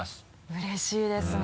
うれしいですね